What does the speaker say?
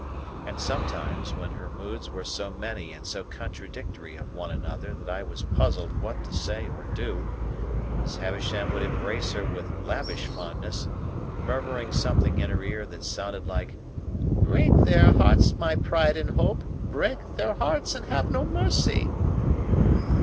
And sometimes, when her moods were so many and so contradictory of one another that I was puzzled what to say or do, Miss Havisham would embrace her with lavish fondness, murmuring something in her ear that sounded like "Break their hearts my pride and hope, break their hearts and have no mercy!"